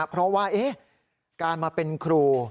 เพราะว่าการมาเป็นครู